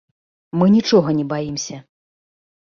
Мы нічога не баімся.